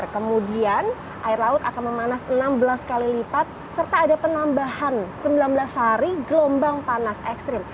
kemudian air laut akan memanas enam belas kali lipat serta ada penambahan sembilan belas hari gelombang panas ekstrim